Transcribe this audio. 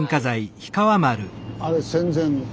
ああれ戦前